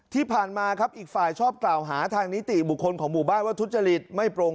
ที่ผ่านมาอีกฝ่ายชอบกล่าวหาทางนิติบุคคลของหมู่บ้าน